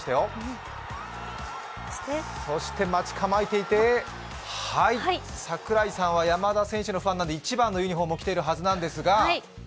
そして待ち構えていて、櫻井さんは山田選手のファンなので１番のユニフォームを着ているはずなんですが。